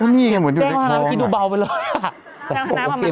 มันอยู่ในคลองเลย